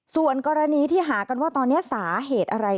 ส่วนกรณีที่หากันว่าตอนนี้สาเหตุอะไร